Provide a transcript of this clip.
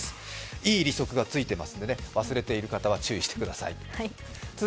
いい利息がついてますので、忘れている方は注意してください。